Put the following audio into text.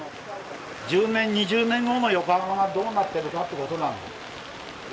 １０年２０年後の横浜がどうなってるかということなんだ。